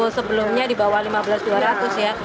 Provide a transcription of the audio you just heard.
sebelumnya di bawah lima belas dua ratus ya